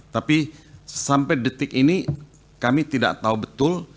tapi sampai detik ini kami tidak tahu betul